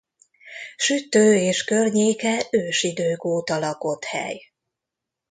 Süttő és környéke ősidők óta lakott hely.